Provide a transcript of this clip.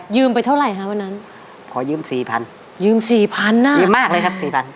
ไปเท่าไหร่ฮะวันนั้นพอยืมสี่พันยืมสี่พันอ่ะยืมมากเลยครับสี่พัน